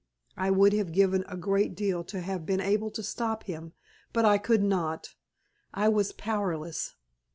I would have given a good deal to have been able to stop him, but I could not. I was powerless.